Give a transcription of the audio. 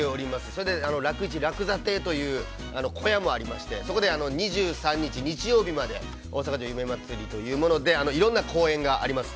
それで「楽市楽座亭」という小屋もありまして、２３日日曜日まで、大阪城夢祭というものでいろんな公演があります。